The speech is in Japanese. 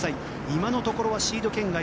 今のところはシード圏外。